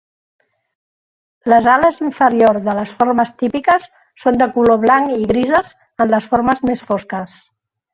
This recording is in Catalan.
Les ales inferior de les formes típiques són de color blanc i grises en les formes més fosques.